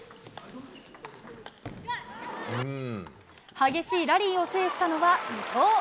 激しいラリーを制したのは、伊藤。